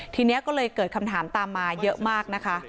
ทีนี้ก็เลยเกิดคำถามตามมาเยอะมากนะคะ